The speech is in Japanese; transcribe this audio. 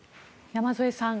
山添さん